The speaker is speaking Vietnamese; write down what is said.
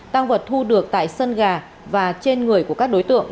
tăng vật thu được tại sân gà và trên người của các đối tượng